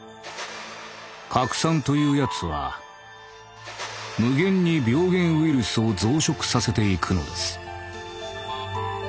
核酸というやつは無限に病源ウイルスを増殖させて行くのです」。